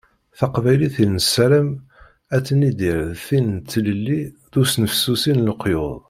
Taqbaylit i nessaram ad tt-nidir d tin n tlelli d usnefsusi n leqyud.